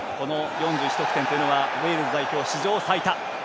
４１得点というのはウェールズ代表史上最多。